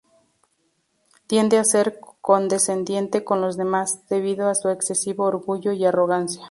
Tiende a ser condescendiente con los demás, debido a su excesivo orgullo y arrogancia.